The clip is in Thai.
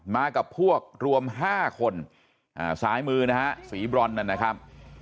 มากับพวกรวม๕คนซ้ายมือนะฮะสีบรอนนั่นนะครับ